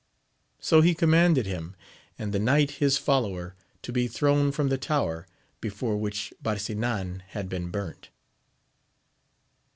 So he commanded him, and the knight his follower, to be thrown from the tower, before which Barsinan had been burnt.